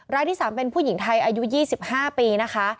รายที่๓เป็นผู้หญิงไทยอายุ๒๕ปีนะคะ